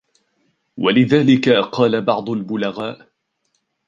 وَلِذَلِكَ قَالَ بَعْضُ الْبُلَغَاءِ